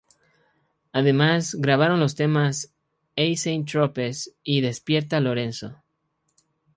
Además grabaron los temas "A Saint Tropez" y "Despierta Lorenzo".